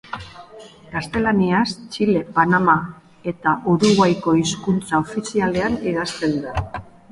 Gaztelaniaz, Txile, Panama eta Uruguaiko hizkuntza ofizialean, idazten da.